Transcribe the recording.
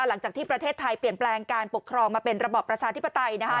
หลังจากที่ประเทศไทยเปลี่ยนแปลงการปกครองมาเป็นระบอบประชาธิปไตย